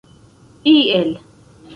iel